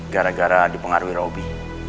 gara gara dipengaruhi robi